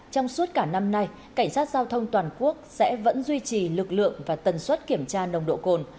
trong suốt cả năm nay cảnh sát giao thông toàn quốc sẽ vẫn duy trì lực lượng và tần suất kiểm tra nồng độ cồn